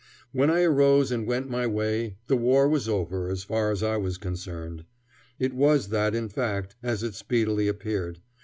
When I arose and went my way, the war was over, as far as I was concerned. It was that in fact, as it speedily appeared.